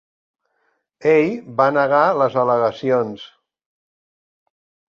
Ell va negar les al·legacions.